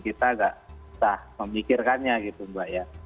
kita agak susah memikirkannya gitu mbak ya